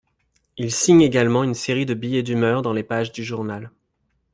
Il signe également une série de billets d'humeur dans les pages du journal.